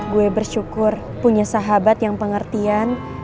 gue bersyukur punya sahabat yang pengertian